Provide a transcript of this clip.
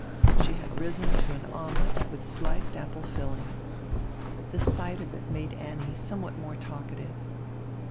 She had risen to air onrelet with sliced apple filling. lire sight of it nrade Annie somewhat nrore talkative.